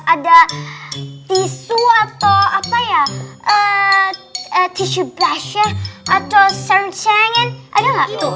ada tisu atau apa ya eh eh tisu basya atau serencen ada nggak tuh